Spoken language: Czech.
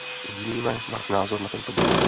Sdílíme váš názor na tento bod.